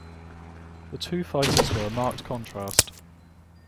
The two fighters were a marked contrast.